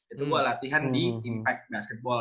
itu buat latihan di impact basketball